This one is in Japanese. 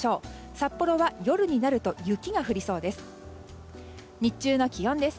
札幌は夜になると雪が降りそうです。